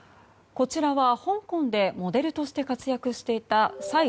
こちらは香港でモデルとして活躍していたサイ・